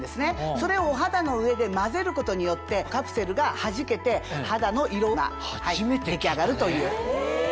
それをお肌の上で混ぜることによってカプセルがはじけて肌の色が出来上がるという。